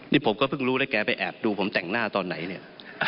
นี่ผมก็เพิ่งรู้แล้วแกไปแอบดูผมแต่งหน้าตอนไหนเนี่ย